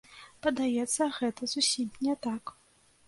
Падаецца, гэта зусім не так.